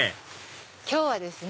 今日はですね